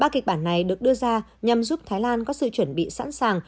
ba kịch bản này được đưa ra nhằm giúp thái lan có sự chuẩn bị sẵn sàng